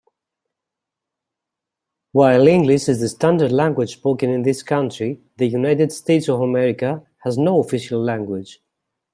While English is the standard language spoken in his country, the United States of America has no official language.